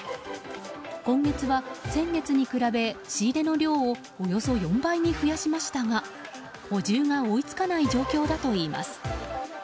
今月は、先月に比べ仕入れの量をおよそ４倍に増やしましたが補充が追い付かない状況だといいます。